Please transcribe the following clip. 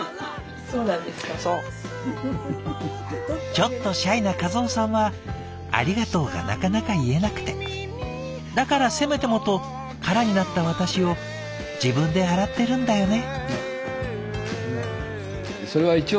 「ちょっとシャイな和雄さんはありがとうがなかなか言えなくてだからせめてもと空になった私を自分で洗ってるんだよね」。